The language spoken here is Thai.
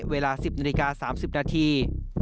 เวลา๑๐นาฬิกา๓๐นาที